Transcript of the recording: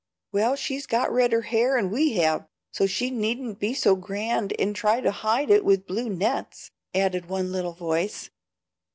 "Well, she's got redder hair 'n' we have, so she needn't be so grand and try to hide it with blue nets," added one little voice.